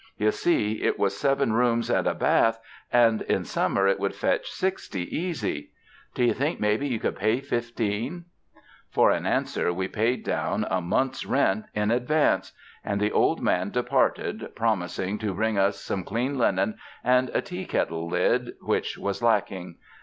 You see, it has seven rooms and a bath, and in summer it would fetch sixty, easy. Do you think maybe you could pay fifteen?" For an answer we paid down a month's rent in advance, and the old man departed promising to 194 WINTER ON THE ISLE OF SUMMER bring us somo clean linon and a tea kettle li<l which was lacking'.